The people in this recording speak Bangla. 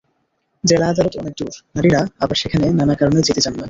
জেলা আদালত অনেক দূর, নারীরা আবার সেখানে নানা কারণে যেতে চান না।